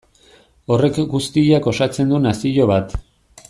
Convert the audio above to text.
Horrek guztiak osatzen du nazio bat.